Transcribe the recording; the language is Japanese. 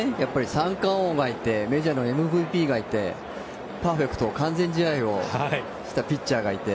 三冠王がいてメジャーのＭＶＰがいてパーフェクト、完全試合をしたピッチャーがいて。